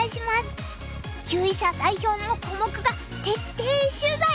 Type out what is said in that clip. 級位者代表のコモクが徹底取材。